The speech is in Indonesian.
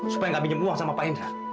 supaya nggak pinjam uang sama pak indra